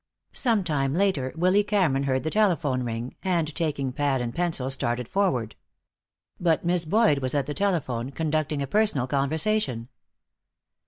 Some time later Willy Cameron heard the telephone ring, and taking pad and pencil started forward. But Miss Boyd was at the telephone, conducting a personal conversation.